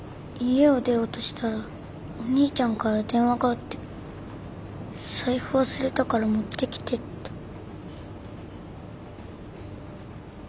家を出ようとしたらお兄ちゃんから電話があって「財布忘れたから持ってきて」って。